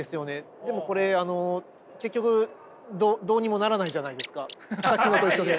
でもこれあの結局どうにもならないじゃないですか先ほどと一緒で。